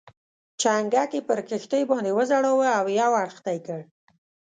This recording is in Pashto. چنګک یې پر کښتۍ باندې وځړاوه او یو اړخ ته یې کړ.